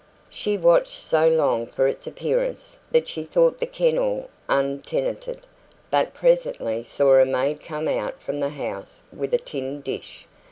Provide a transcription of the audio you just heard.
She watched so long for its appearance that she thought the kennel untenanted, but presently saw a maid come out from the kitchen with a tin dish.